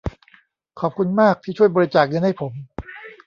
ขอบคุณมากที่ช่วยบริจาคเงินให้ผม